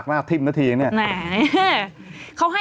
โห้ยสงสารอ่ะ